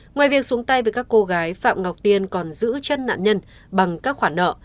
ngoài việc xuống tay với các cô gái phạm ngọc tiên còn giữ chân nạn nhân bằng các khoản nợ